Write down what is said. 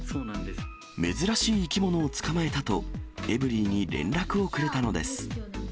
珍しい生き物を捕まえたと、エブリィに連絡をくれたのです。